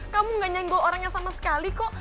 kamu gak nyenggol orangnya sama sekali kok